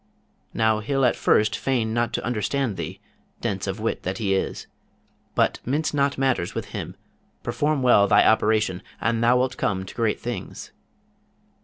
'' Now he'll at first feign not to understand thee, dense of wit that he is! but mince not matters with him, perform well thy operation, and thou wilt come to great things.